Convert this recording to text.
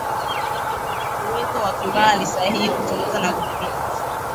uwezo na kibali sahihi kuchunguza na kuthibitisha